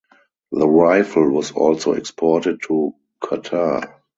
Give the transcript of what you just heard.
The rifle was also exported to Qatar.